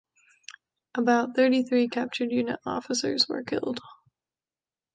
Around thirty-three captured unit officers were killed.